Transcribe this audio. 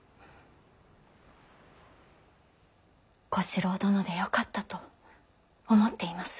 小四郎殿でよかったと思っています。